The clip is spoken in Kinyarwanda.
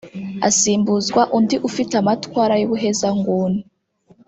asimbuzwa undi ufite amatwara y’ubuhezanguni